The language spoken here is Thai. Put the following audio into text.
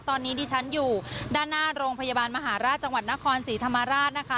ตอนนี้ดิฉันอยู่ด้านหน้าโรงพยาบาลมหาราชจังหวัดนครศรีธรรมราชนะคะ